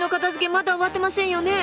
まだ終わってませんよね。